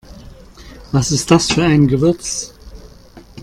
Was ist das für ein Gewürz?